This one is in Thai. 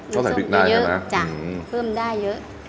ต้องใส่พริกได้ใช่ไหมครับอืมเพิ่มได้เยอะอืมใช่